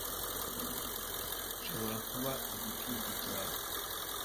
Nshobora kuba igicucu cyawe